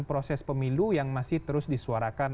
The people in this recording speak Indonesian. proses pemilu yang masih terus disuarakan